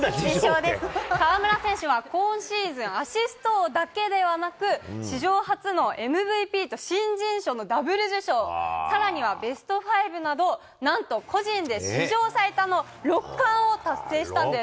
河村選手、今シーズンアシスト王だけではなく、史上初のＭＶＰと新人賞のダブル受賞、さらにはベストファイブなどなんと個人で史上最多の６冠を達成したんです。